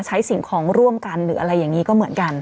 สิ่งของร่วมกันหรืออะไรอย่างนี้ก็เหมือนกัน